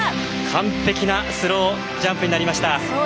完璧なスロージャンプになりました。